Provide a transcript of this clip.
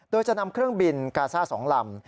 โดยจะนำเครื่องบินกาซ่า๒ลำ